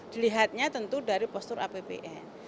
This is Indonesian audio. dilihatnya tentu dari postur apbn